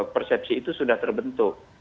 persepsi itu sudah terbentuk